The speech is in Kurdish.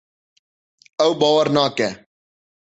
Ew bawer nake.